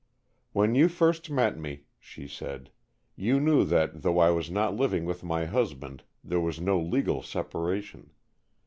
"When you first met me," she said, "you knew that though I was not living with my husband, there was no legal separation.